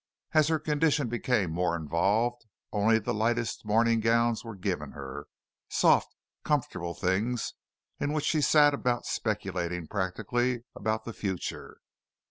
As her condition became more involved, only the lightest morning gowns were given her soft, comfortable things in which she sat about speculating practically about the future.